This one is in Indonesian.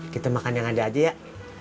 kita makan yang ada aja ya